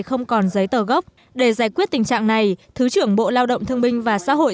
không còn giấy tờ gốc để giải quyết tình trạng này thứ trưởng bộ lao động thương minh và xã hội